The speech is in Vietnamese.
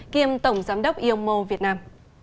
kiêm tổng giám đốc eomo việt nam